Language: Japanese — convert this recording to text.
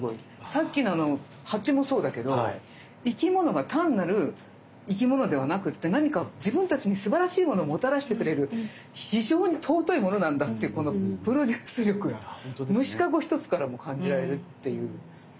さっきの鉢もそうだけど生き物が単なる生き物ではなくて何か自分たちにすばらしいものをもたらしてくれる非常に尊いものなんだっていうこのプロデュース力が虫かご一つからも感じられるっていう。